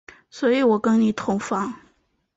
所以我跟你同房吗？